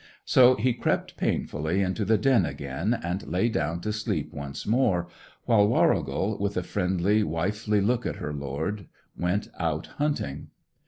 So he crept painfully into the den again, and lay down to sleep once more, while Warrigal, with a friendly, wifely look at her lord, went out hunting.